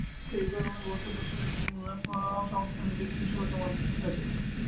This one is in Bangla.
সেই কারণে বছর বছর এটির মুনাফা সংস্থার নিজস্ব হিসাবে জমা হতে থাকে।